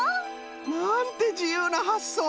なんてじゆうなはっそう。